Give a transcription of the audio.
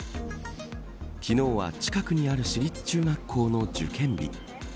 昨日は近くにある私立中学校の受験日。